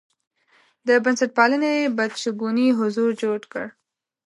د بنسټپالنې بدشګونی حضور جوت کړي.